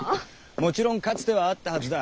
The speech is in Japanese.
もちろんかつてはあったはずだ。